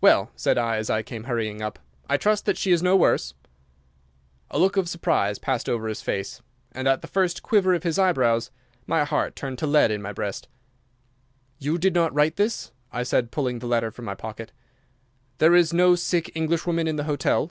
"Well," said I, as I came hurrying up, "I trust that she is no worse?" A look of surprise passed over his face, and at the first quiver of his eyebrows my heart turned to lead in my breast. "You did not write this?" I said, pulling the letter from my pocket. "There is no sick Englishwoman in the hotel?"